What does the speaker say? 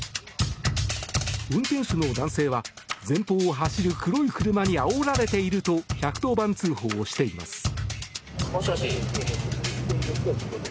運転手の男性は前方を走る黒い車にあおられていると１１０番通報をしています。